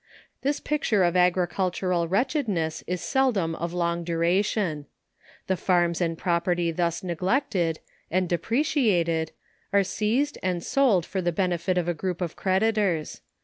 This picture of agricultural wretchedness is sel dom of long duration. The farms and property thus ne glected, and depreciated, are seized and sold for the ben efit of a group of creditors.